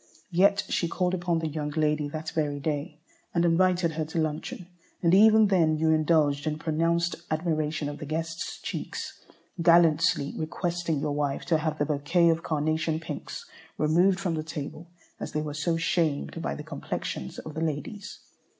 Yet she called upon the young lady that very day and invited her to luncheon, and even then you indulged in pronounced admiration of the guest's cheeks, gallantly requesting your wife to have the bouquet of carnation pinks removed from the table, as they were so shamed by the complexions of the ladies.